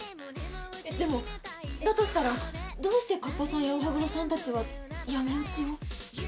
でもだとしたらどうして河童さんやお歯黒さんたちは闇落ちを？